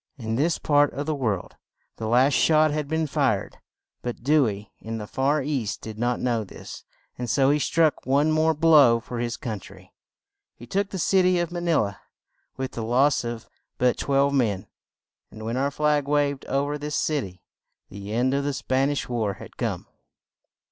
In this part of the world the last shot had been fired; but Dew ey in the far east did not know this, and so he struck one more blow for his coun try. He took the cit y of Ma ni la with the loss of but twelve men, and when our flag waved o ver this cit y, the end of the Span ish war had come.